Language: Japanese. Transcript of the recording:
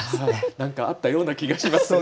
何かあったような気がしますね。